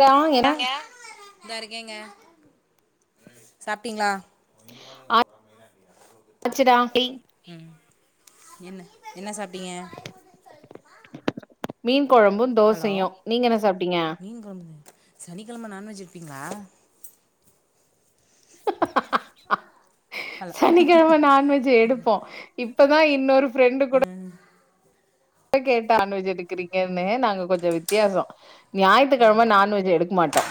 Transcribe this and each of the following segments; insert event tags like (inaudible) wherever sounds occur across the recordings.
டா என்ன இதா இருக்கேங்க சாப்டிங்களா ஆச்சுடா (inaudible) என்ன என்ன சாப்டிங்க மீன் கொழம்போ தோசையு நீங்க என்ன சாப்டிங்க சனிக்கிழம நான்வெஜ் எடுப்பீங்களா ஹலோ சனிக்கிழம நான்வெஜ் எடுப்போ இப் இப்பதா இன்னொரு ஃப்ரெண்டு அ கூட கேட்டா நான்வெஜ் எடுக்குறீங்கனு நாங்க கொஞ்சோ வித்தியாச ஞாயித்துக்கிழம நான்வெஜ் எடுக்க மாட்டோ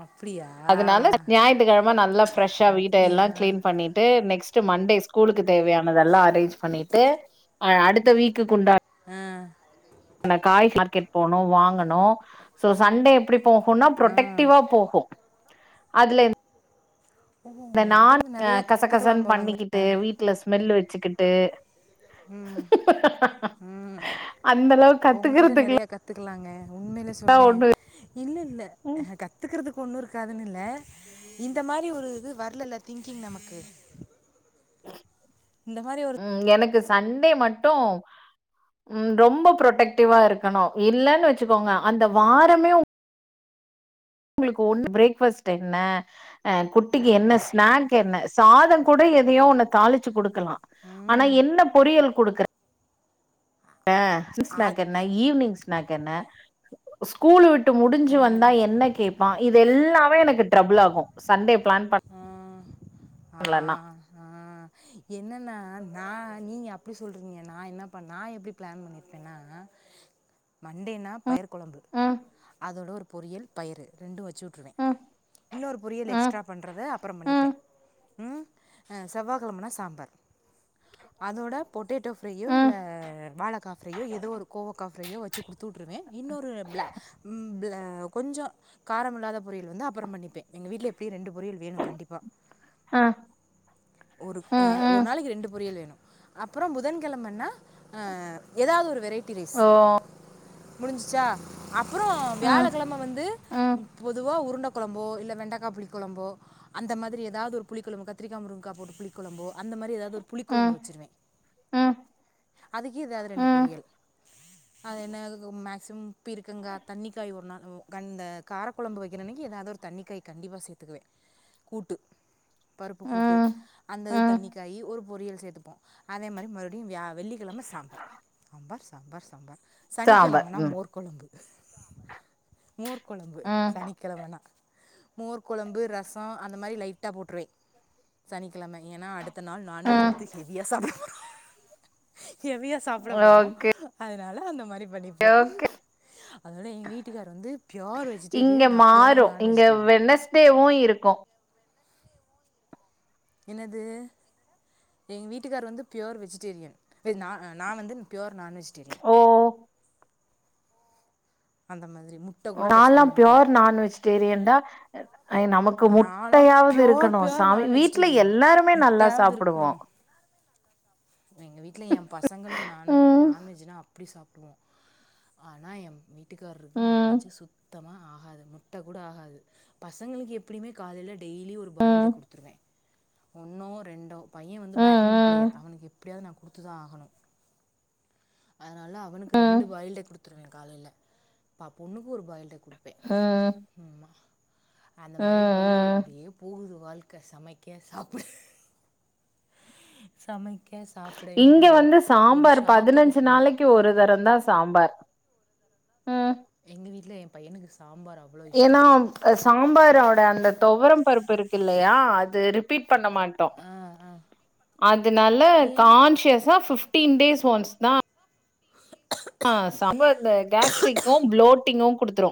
ஆ அதுனால ஞாயிற்றுக்கிழம நல்லா ஃபிரெஷா அப்டியா வீட்டெல்லா கிளீன் பண்ணிட்டு நெக்ஸ் டு மண்டே ஸ்கூலுக்கு தேவையானது அரேஞ்ச் பண்ணிட்டு அடுத்த வீக்குக்கு உண்டான அ னா காய் மார்க்கெட் போனோ வாங்கனோ சோ சண்டே எப்டி போகோனா ஆ ப்ரொடெக்டிவா போகோ அதுல என் ஓ அ நா உங்ககிட்ட இருந்து நெறையா கச கசன்னு கத்துக்கலாம் போலங்க பண்ணிக்கிட்டு வீட்ல ஸ்மெல் வெ ச்சுக்கிட்டு ம் ம் அந்தளவு கத்துக்கறதுக் கலாங்க உண்மையிலே சொல்றே இல்ல இல்ல ம் கத்துக்கிறதுக்கு ஒன்னுருக் இருகருனு இல்ல இந்த மாரி ஒரு இது வர்லல திங்கிங் நமக்கு இந்த மாரி ஒரு ம் எனக்கு சண்டே மட்டோ ம் ரொம்போ ப்ரொடெக்டிவா இருக்கணு இல்லனு வெச்சுக்கோங்க அந்த வாரமே உங் உங்களுக்கு ஒண்ணு பிரேக் ஃபாஸ்ட் என்ன அ குட்டிக்கு என்ன ஸ்நாக் என்ன சாதம் கூட எதையோ ஒன்ன தாளிச்சு குடுத் இருக்கலா ஆனா ம் என்ன பொறியல் குடுக்றே அ (unintelligible) ஈவினிங் ஸ்னாக் என்ன ஸ்கூல் விட்டு முடிஞ்சு வந்தா என்ன கேப்பா இது எல்லாமே எனக்கு ட்ரபிள் ஆகு சண்டே பிளான் பண் இல்லனா என்னன்னா நா நீங்க அப்டி சொல்றீங்க நா என்ன பண்ணா நா எப்டி பிளான் பண்ணிருப்பேன்னா மண்டேன்னா பயிர் கொழம்பு ம் அதோட ஒரு பொறியல் பயிறு ரெண்டு வச் வச்சுட்ருவே ம் இன்னொரு பொரியல் ம் எக்ஸ்ட்ரா பண்றத அப்றோ பன்னிப்பே ம் ம் அ செவ்வா கெழமனா சாம்பார் அதோட பொட்டேட்டோ ப்ரையோ இல்ல ம் வாழக்கா ப்ரையோ ஏதோ ஒரு கோவக்கா ப்ரையோ வச்சு குடுத்துட்டுருவே இன்னொரு ப்லா ம் ப்ள கொஞ்ஜோ காரம் இல்லாத பொரியல் வந்து அப்பறோ பண்ணிப்பே எங்க வீட்ல எப்டியு ரெண்டு பொரியல் வேணு கண்டிப்பா ஆஹ் ஒரு உம் ஒரு நாளைக்கு ரெண்டு பொரி வேணு அப்றோ புதன்கெழமனா ஆஹ் எதாது ஒரு வெரை ரைட்டி ரைஸ் ஓ முடிஞ்சச்சா அப்றோ ம் வியாழக்கெழம வந்து ம் பொதுவா உருண்ட கொழம்போ இல்ல வெண்டக்கா புளி கொழம்போ அந்த மாதிரி எதாவது ஒரு புளி கொழம்பு கத்திரிகா முருங்க போட்டு புளிக் கொழம்போ அந்த மாரி எதாவது ஒரு புளி ம் கொழம்பு வச்சுருவே ம் அதுக்கே எதாது ரெண்டு ம் பொரியல் அது என்ன மேக்சிமம் பீர்கங்கா தண்ணிக்காய் ஒரு நாள் க இந்த காரக்கொழம்பு வைக்கிறன்னக்கி எதாவது ஒரு தண்ணிக்காய் கண்டிப்பா சேத்துக்குவே கூட்டு பருப்பு கூட்டு ம் அது ம் தண்ணிக்காயி ஒரு பொறியல் சேத்துப்போ அதே மாரி மறுபடியு வியா வெள்ளிக்கெழம சாம்பார் சாம்பார் சாம்பார் சாம்பார் சாம்பார் சனிக்கெழமனா ம் மோர்கொழம்பு சாம்பார் மோர்கொழம்பு ம் சனிக்கெழமனா மோர் கொழம்பு ரசோ அந்த மாரி லைட்டா போட்ருவே சனி கெழமை ஏன்னா அடுத்த நாள் நான்வெஜ் ம் எடுத்து ஹெவியா சாப்டு ஹெவியா சாப்ட போறோ ஓகே அதனால அந்த மாரி பண்ணிபோ ஓகே அதனால எங்க வீட்டுக்கார் வந்து ப்யூர் இங்க வெஜிடேரியன் நா மாறு ப்யூர் நான் இங்க வெஜிடேரியன் வெனஸ்டேவு இருக்கு என்னது எங்க வீட்டுக்கார் வந்து பியூர் வெஜிடேரியன் ஏ நா நா வந்து பியோர் நான்வெஜ் டேரியன் ஓ அந்த மாரி நான்ல்லா பியோர் நான் வெஜிடேரியன் தா நமக்கு நான்லாம் முட்டையாவது பியோர் இருக்கணு பியோர் சாமி நான் வீட்டுல வெஜிடேரியன் எல்லாருமே நல்லா சாப்புடுவோ எங்க வீட்டுல ஏ பசங்களு நானு ம் நான்வெஜ்னா அப்டி சாப்டுவோ ஆனா ஏ மீ வீட்டுக்காரருக்கு ம் நான்வெஜ்ஜு சுத்தமா ஆ அது முட்ட கூட ஆகாது பசங்களுக்கு எப்டிமே காலைல டெய்லி ஒரு பாயில்டு ம் எக் குடுத்துருவே ஒன்னோ ரெண்டோ பைய வந்து ம் பேட்மின் ம் பிளேயர் அவனுக்கு எப் எப்டியாது நா குடுத்துதா ஆகணு அதனால அவனுக்கு ம் ரெண்டு பாயில்டு எக் குடுத்துருவே காலைல பா பொண்ணுகொரு பாயில்டு எக் ஆ அந்த மாரி போகுது இப்டே போகுது வாழ்க்க சமைக்க சாப்ட சமை இங்க வந்து சாம்பார் ஷாப்புக்கு பதினஞ்சு போனோம் நாளைக்கு ஒரு தரந்தா சாம்பார் உம் எங்க வீட்டுல எ பையனுக்கு சாம்பார் அவ்ளோ இஷ்டம். ஏனாப் அ சாம்பாரோட அந்த தொவரம் பருப்பு இருக்கில்லையா அ து ரிப்பீட் பண்ண மாட்டோ ஆ ஆ அதுனால ஏன்? கான்சியஸா பிப் டீன் டேஸ் ஒன்ஸ்தா ஆ சம்பார்ல இந்த கேஸ்ட்ரிக்கோ ப்ளோட்டிங்கோ குடுத்ரோ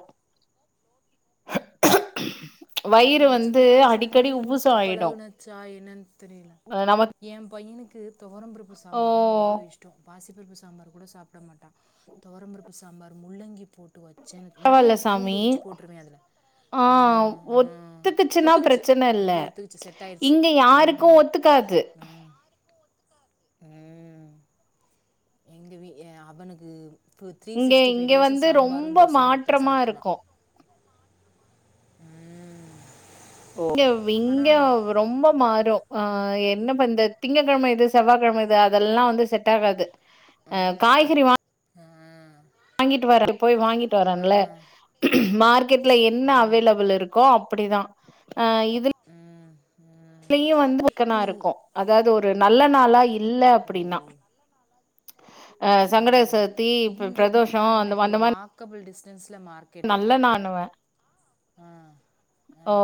எனக்கு சின்ன வயசுல இருந்தே குடுத்து ஆயிடு பழகுனச்சா என்னன் தெரில நமக்கு எ பையனுக்கு துவரம் பருப்பு ஓ சாம்பார்னா அவ்ளோ இஷ்டம் பாசிப்பருப்பு சாம்பார் கூட சாப்ட மாட்டான் துவரம்பருப்பு சாம்பார் முள்ளங்கி போ டு வெச்சேனா நெறையா பரவால்ல பூண்டு சாமி உரிச்சி போட்டுருவே அதுல ஆ ஆ ஒத்துக்குச்சுனா ஒத்துக்குச்சு. பிரச்சன இல்ல இங்க ஒத்துக்குச்சு. செட் ஆயிருச்சு. இங்க யாருக்கு ம். ஒத்துக்காது உம் எங்க வ அவனுக்கு சோ த்ரீ இங்க சிக்ஸ்டி ஃபைவ் இங்க டேஸும் வந்து சாம்பாரும் ரொம்ப தோசையு கொடுத்தா மாற்றமா சாப்ட்டுருமோ இருக்கும். ஓ இங்கவ் ஆனால் இங்கவ் ரொம்ப மாரோ ஆ என்ன பண்றது திங்கக்கழமை இது செவ்வாகழமை இது அதெல்லா வந்து செட்டாகாது ஆ காய்கறி வா வாங்கிட்டு வரேன்ல, அப்படிதா ஆ இதுல் நீ வந்து (unintelligible) இது இருக்கோ அதாது ஒ ரு நல்ல நாளா இ ல்ல ஓ அப்பிடினா அ சங்கட சத்தி இப் இங்கே பிரதோஷ எப்படின்னா அந் எனக்கு அந்த மாரி வாக்கபிள் டிஸ்டன்ஸில் மார்க்கெட்டு நல்ல நானுவே ஆ ஓ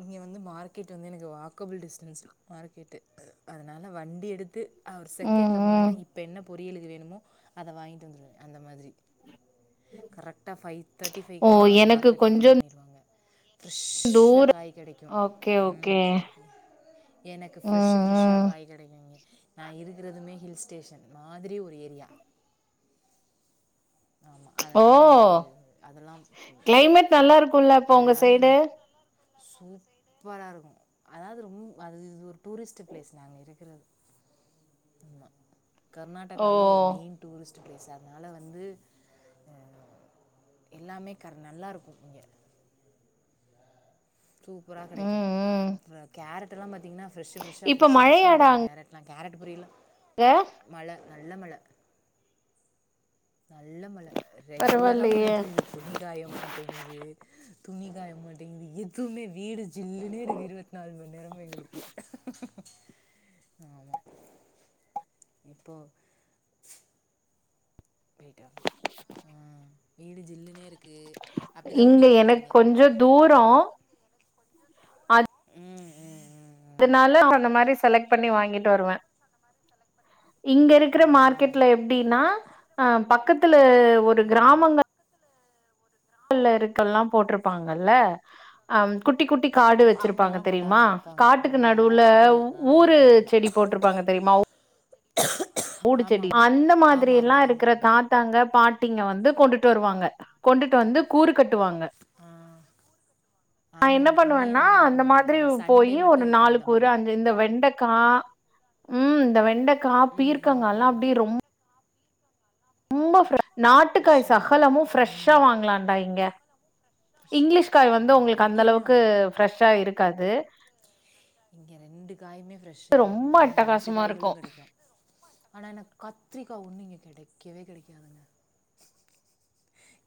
இங்க வந்து மார்க்கெட் வந்து எனக்கு வாக்கபுள் டிஸ்டன்ஸ் தா மார்க்கெட்டு அ அதனால வண்டி எடுத்து அ ஒரு ம், செகண்ட்ல ம். போனேன்னா இப்ப என்ன பொரியலுக்கு வேணுமோ அத வாங்கிட்டு வந்துருவே அந்த மாதிரி கரெக்டா ஃபைவ் தேட்டி ஓ! ஃபைக்கெலா எனக்கு மார்க்கெட் ஓப்பன் கொஞ்சம் பண்ணிருவாங்க ஃப்ரெஷ்ஷா காய் கெடைக்கு ஓகே, ம் ஓகே. எனக்கு ஃப்ரெஷ்ஷு ம், ஃப்ரெஷ்ஷா ம். காய் கெடைக்கு இங்க நா இருக்கிறதுமே ஹில் ஸ்டேஷன் மாதிரி ஒரு ஏரியா ஆமாம் ஓ அதனால் எனக்கு அதெல்லாம் கிளைமேட் நல்லா இருக்குல்ல இப்போ உங்க சைடு சூப்பரா இருக்கும் அதாவது ரொம் அது இது ஒரு டூரிஸ்ட்டு பிளேஸ் நாங்க இருக்குறது ஆமா ஓ கர்நாடகால ஒரு மெயின் டூரிஸ் ஸ்ட் ப்ளேஸ் அதனால வந்து அ எல்லாமே கர் நல்லா இருக்கும் இங்க சூப்பரா கெடைக்கு ம் ம் அப்பறோ கேரட் டுலா பாத் திங்கனா ஃப்ரெஷ்ஷு ஃப்ரெஷ்ஷா இப்ப ஃப்ரெஷ்ஷு ஃப்ரெஷ்ஷா இருக்கு கேரட்லா கேரட் புரியல க நல்ல மழ நல்ல மழ ரெகுலரா மழ பரவாயில்லையே பெயுது துணிக்காய மாட்டேங்குது துணி காய மாட்டேங்குது எதுவுமே வீடு ஜில்லுன்னே இருக்கு இருபத் நாலு மண் நேரமு எங்களுக்கு ஆமா இப்போ போயிட்டாங்க ம் வீடு ஜில்லுனே இரு க்கு அப்டிதா இங்க ஓடிட்டு இருக்கு எனக்கு இங்க கொஞ்ச தூரோ ம்மா ம் ம் ம் ம் அதனால சொன்ன மாரி செலக்ட் பண்ணி வாங்கிட்டு வருவே இங்க இருக்கிற ஆ மார்க்கெட்ல எப்டின்னா ஆ பக்கத்து ல ஒரு ஆ கிராமங்க பக்கத்துல இருக்கல்லா போட்ருப்பாங்கல்ல அம் குட்டி குட்டி காடு ஓ வச்சுருப்பாங்க அவங்கெல்லாம் தெரியுமா கொண்டாந்து வைப்பாங்க ஆ காட்டுக்கு நடுவுல ஆ ஆ ஊரு ஆமாம் செடி போட்ருப்பாங்க தெரியுமா ஆமாம் ஆமாம் ஆமாம் ஊடுச்செடி ஆமாம் அந்த ஆமாம் மாதிரில்லா ஆமாம் இருக்ற ஆமாம் தாத்தாங்க பாட்டிங்க வந்து கொண்டு ட்டு வருவாங்க கொண்டுட்டு வந்து கூறு கட் டுவாங்க ஆ நா ஆமாம் என்ன ஆமாம் இங்கேயும் பண்ணுவன்னா அந்த பண்ணுவாங்க மாதிரி அது சண்டே போய் ஒரு மட்டும் இருக்கும் அந்த நாலுக்கூரு மாதிரி அஞ்சி இந்த வெண் டக்கா ம் இந்த வெண்டக் க்கா ம் ம் பீர்க்கங்கால்லா ம் அப்டியே ரொம் ரொம்ப ஃப்ர நாட்டுக்காய் ஃப்ரெஷ்ஷாக இருக்கும் சகலமு ஃப்ரெஷ்ஷா ம் வாங்லான்டா இங்க ஃப்ரெஷ்ஷாக இங்லீஷ் கிடைக்கும் காய் வந்து ம் உங்ளுக்கு அந்த இங்கேயுமே அளவுக்கு வாங்கலாம் ஃப்ரெஷ்ஷா இருக்காது இங்கே ரெண்டு காயுமே ஃப்ரெஷ்ஷா கெடைக்கு ரொம்ப ரெண்டு நாட்டு அட்டகாசமா காய்களு இருக்கு கெடைக்கு ஆனா என்ன கத்ரிக்கா ஒன்னு இங்க கெடைக்கவே கெடைக்காதுங்க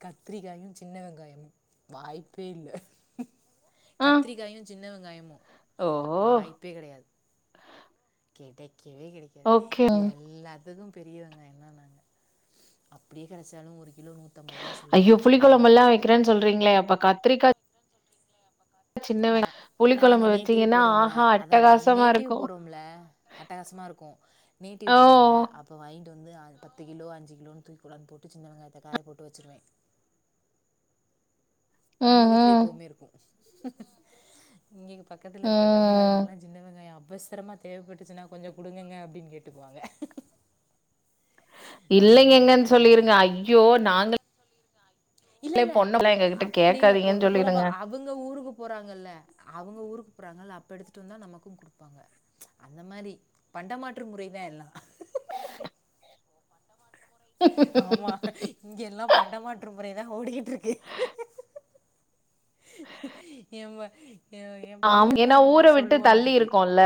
கத்ரிக்காயு சின்ன வெங்காயமு வாய்ப்பே இல்ல ஆ கத்ரிக்காயு சின்னவெங் ங்காயமு ஓ வாய்ப்பே கெடயாது கெடைக் கவே கெடைக்காது ஓகே எல்லாத் தது பெரிய வெங்காயோதா நாங்க அப்டியே கெடச்சாலு ஒரு கிலோ நூற்றம்பது ரூபா ஐயோ சொல்லுவாங்க புளி சின்ன கொலம்பல்லா வெங்காயம்லாம் வைக்றேன் சொல்றீங்ளே அப்ப கத்ரிக்கா நா நாங்க புளிக்கொழம்பு நேட்டிவ் வச்சீங்கன்னா போறோம்ல ஆஹா அதா நாங்க அட்டகாசமா நேட்டிவ் இருக்கு போறோம்ல அட்டகாசமாருக்கு ஓ நேட்டிவ் போறோம்ல அப்போ வாய்ங் கி வந்து பத்து கிலோ அஞ்சு கிலோன் தூக்கி கொண்டாந்து போட்டு சின்ன வெங்காயத்த காய போட்டு வச்சிருவே நம்ம ம் வீட்ல ம் எப்பவுமேருக்கு ஹிஹி ம் இங்கேங்க பக்கத்துல இருக்க ம் தமிழாளுங்கலா சின்ன வெங்காய அப் அவசரமா தேவப்பட்டுச்சின்னா கொஞ்சோ குடுங்கங்க அப்டின்னு கேட்டுக்குவாங்க அந்த மாரி இல்லைங்கங்கன்னு மாத்திக்குவோ சொல்லிருங்க ஐயோ நாங்க இல்லல்ல அப்டி இல்ல கேக்காதீங்கன்னு பொண்ணு போல பா சொல்லிருங்க அவுங்க ஊருக்கு போறாங்கல்ல அவுங்க ஊருக் போறாங்கள அப்போ எடுத்துட்டு வந்தா நமக்கு குடுப்பாங்க அந்த மாரி பண்டமாற்று முறை தா எல்லா ஆமா இங்க எல்லா பண்டமாற்று அப்டியேதா ஓடிக்கிட்டுருக்கு ஏம் ப எ என் ஆம் பையன்தா ஏன்னா ஊர என்னமோ விட்டு சொல்லுவா தள்ளி அதுக்கு இருக்கோல்ல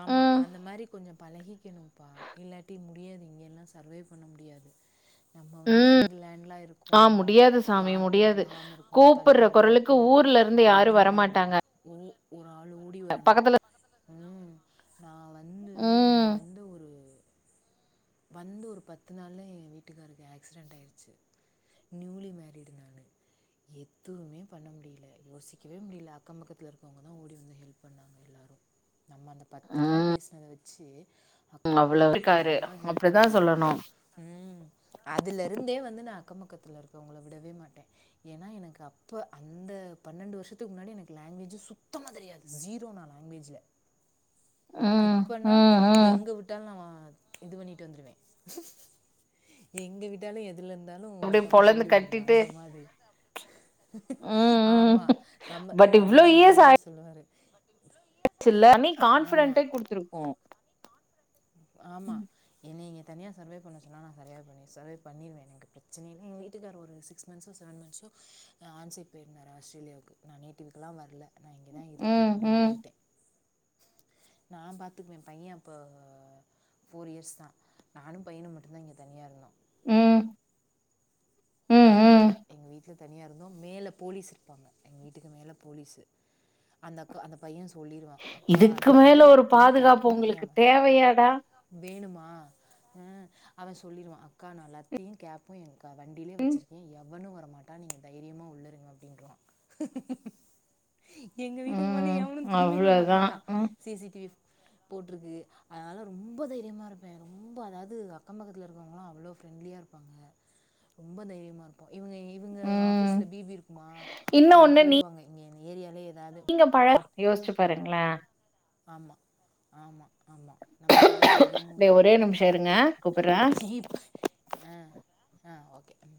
ஆமா ம் அந்த மாரி கொஞ்சம் பலகிக்கணும்ப்பா இல்லாட்டி முடியாது இங்கேல்லா சர்வே பண்ண முடியாது நம்ம வந்து ம் சிங்கில் லேண்ட்லா இருக்கோ ஆ முடியாது சாமி யார்கிட்டயு‌ முடியாது பலகாம இருக்கோ கூப்புட்ற தனியாகவே கொரலுக்கு இருக்கோ ஊர்ல இருந்து யாரு அப்டின்னா முடியவே முடியாது வரமாட்டாங்க உ ஆள் ஓடி வரணு பக்கத்துல நா வந் ம் வந்து ஒரு பத்து நாள்ல எ வீட்டுக்காருக்கு ஆக்சிடென்ட் ஆயடுச்சு நியூலி மேரீடு நானு எதுமே பண்ண முடியல யோசிக்கவே முடியல அக்கம் பக்கத்துல இருக்கவங்க தா ஓடி வந்து ஹெல்ப் பண்ணாங்க எல்லாரு நம்ம அந்த பத்து நாள் பேசஸ்னத வச் சே ம் அவ்ளோ இருக்காரு ஹெல்ப் அப்டிதா பண்ணாங்க சொல்லணு ம் அதுல இருந்தே வந்து நா அக்கமக்கத்து இருக்கவங்கள விடவே மாட்ட ஏன்னா எனக்கு அப்ப அந்த பன்னெண்டு வருஷத்துக்கு முன்னாடி எனக்கு லாங்கஜ சுத்தமா தெரியாது ஜிரோநா லங்கஜ்ல ம் இப்பன்னா ம் ம் எங்க விட்டாலு நா வா இது பண்ணிட்டு வந்துருவே எங்க வட்டாலு எதுல இருந்து இருந்தாலு அப்டியே தப்பிச்சு பொளந்து ஓடி வந்துருவ கட்டிட்டு அந்த மாதுரி ம் ம் ஆமா நம்ம அதாவ்து இவரே சொல்லுவாரு சில்ல தனி கான்பிடன்ட்டே குடுத்துருக்கோ ஆமா என்னேய தனியா சர்வே பண்ண சொன்னால் நா சரவே பண்ணின் சர்வே பண்ணிடுவேன் எனக்குபிரச்சனையே இல்லைஎங்கவீட்டுக்கார் ஒரு சிக்ஸ் மந்த்ஸோ செவன் மந்த்தஸ ஆன்சி போயிருந்தாரு ஆஸ்தரேலாவுக்கு நேட்டிவுக்குலா வர்ல ம் ம் நா பாத்துக்குவே பைய அப்போ ஃபோர் இயர்ஸ் தா நானு பையனு மட்டு்தா இங்க தனியா இருந்தோ ம் ம் இந்த வீட்ல ம் எங் வீட்ல தனியா இருந்தோ மேல போலீஸ் இருப்பாங்க எ வீட்டுக்கு மேல போலீஸ் அந்தக் அந்த பைய சொல்லிருவா அக்கா நா இதுக்கு வந்து மேல ஒரு லத்தியு பாதுகாப்பு கேப்யு உங்களுக்கு ஏம் தேவையாடா வேணுமா அ உ அவ சொல்லிருவா அக்கா நா லத்தியு கேப்பயு (unintelligible) டிலே வச்சிருக்கே எவனு வரமாட்டா நீங் தைரியமா உள்ளருங்க அப்டின்றா எங்க வீட்டுக் மன்னி ம் எவனு திரும்பி கூட பாக்க அவ்ளோதா மாட்டா ம் சிசிடிவி போட்ருக்கு அதனால ரொம்ப தைரியம இருப்பே ரொம்ப அதாவ்து அக்கம் பக்கத்துல் இருக்கவங்களா அவ்ளோ ஃப்ரெண்ட்லியா இருப்பாங்க ரொம்ப தைரியமா இருப்போ இவுங்க இவுங்க ம் ஆஃபீஸில் பிபி இருக்குமா இன்னு அதில ஒண்ணு போடுவாங்க இங்கே எங் ஏரியாலே எத் நீங்க பழ யோஸ்ச்சு பாரு ங்ள ஆமா ஆமா ஆமா நம்ம பழகுற விதமு டே இருக்கு ஒரே நிம்ஷ இருங்க கூப்புற்ற இப்ப ஆ ஆ ஓகே ம்